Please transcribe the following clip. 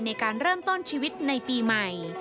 ในการเริ่มต้นชีวิตในปีใหม่